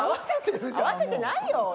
合わせてないよ。